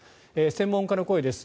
専門家の声です。